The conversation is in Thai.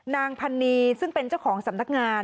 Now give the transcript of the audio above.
นางพันนีซึ่งเป็นเจ้าของสำนักงาน